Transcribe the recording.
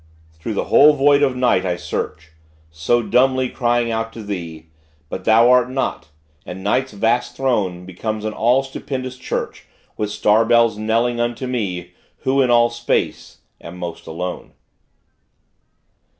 Through the whole void of night I search, So dumbly crying out to thee; But thou are not; and night's vast throne Becomes an all stupendous church With star bells knelling unto me Who in all space am most alone!